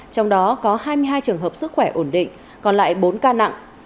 trong đó có hai mươi hai trường hợp sức khỏe ổn định còn lại bốn ca nặng